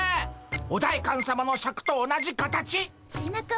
お代官さまのシャクと同じ形っ！